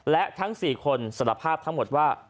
และทั้ง๔คนสารภาพทั้งหมดว่า